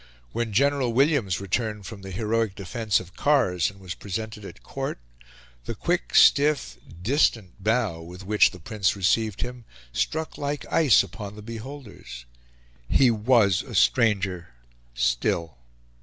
When General Williams returned from the heroic defence of Kars and was presented at Court, the quick, stiff, distant bow with which the Prince received him struck like ice upon the beholders. He was a stranger still.